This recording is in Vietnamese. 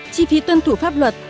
chi phí tuân thủ pháp luật